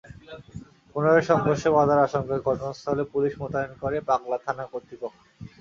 পুনরায় সংঘর্ষ বাধার আশঙ্কায় ঘটনাস্থলে পুলিশ মোতায়েন করে পাগলা থানা কর্তৃপক্ষ।